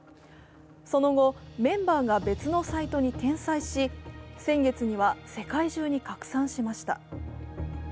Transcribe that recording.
その後、メンバーが別のサイトに転載し先月には世界中に拡散しました。